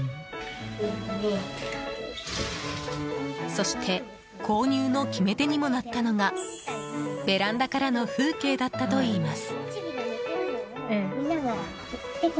そして購入の決め手にもなったのがベランダからの風景だったといいます。